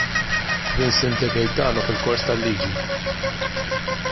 Vincent De Gaetano fil-kors tal-liġi.